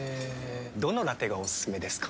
どのラテがおすすめですか？